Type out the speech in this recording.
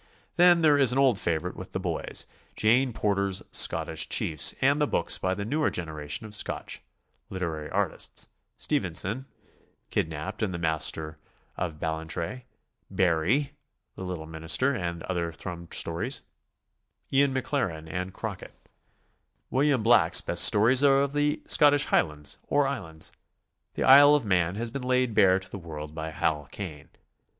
Then there is an old favorite with the boys, Jane Porter's "Scottish Chiefs," and the books by the newer generation of Scotch literary artis'ts, — Stevenson ("Kidnapped" and "The Master of Ballantrae"), Barrie ("The Little Minister" a*nd the other Thrum stories), Ian Maclaren, and Crockett, William Black's best stories ■ SOMEWHAT LITERARY. 251 are of the Scottish highlands o r islands. The' Isle of Man has been laid bare to the world by Hall Caine.